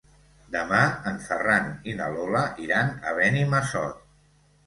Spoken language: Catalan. Demà en Ferran i na Lola iran a Benimassot.